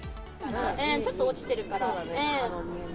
ちょっと落ちてるから。